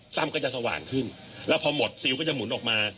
ก็จะสว่างขึ้นแล้วพอหมดซิลก็จะหมุนออกมา